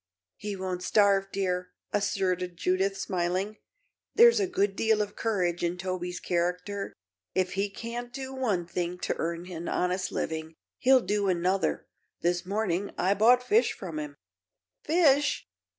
"He won't starve, dear," asserted Judith, smiling. "There's a good deal of courage in Toby's character. If he can't do one thing to earn an honest living, he'll do another. This morning I bought fish of him." "Fish!"